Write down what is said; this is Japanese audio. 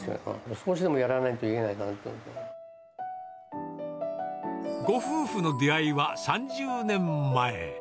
少しでもやらないといけないかなご夫婦の出会いは３０年前。